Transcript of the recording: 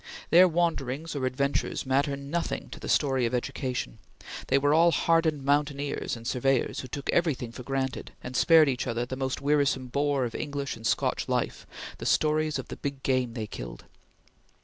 Their wanderings or adventures matter nothing to the story of education. They were all hardened mountaineers and surveyors who took everything for granted, and spared each other the most wearisome bore of English and Scotch life, the stories of the big game they killed.